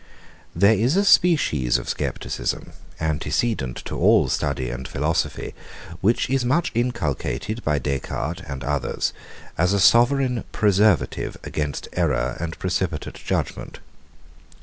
There is a species of scepticism, antecedent to all study and philosophy, which is much inculcated by Des Cartes and others, as a sovereign preservative against error and precipitate judgement.